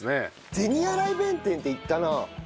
銭洗弁天って行ったなあ。